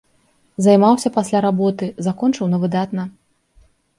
Займаўся пасля работы, закончыў на выдатна.